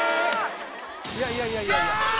いやいやいややい！